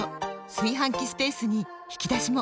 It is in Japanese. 炊飯器スペースに引き出しも！